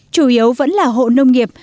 chủ yếu vẫn là hộ nông nghiệp